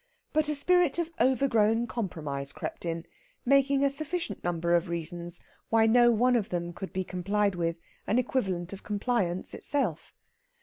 But a spirit of overgrown compromise crept in, making a sufficient number of reasons why no one of them could be complied with an equivalent of compliance itself.